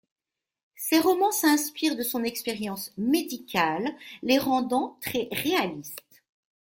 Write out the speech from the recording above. Ses romans s'inspirent de son expérience médicale, les rendant très réalistes.